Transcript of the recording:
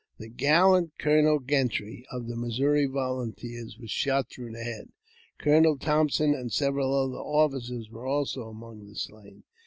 The gallant Colonel Gentry, of the Missouri volunteers, was shot through the head ; Colonel Thompson, and several other officers, were also among the slain.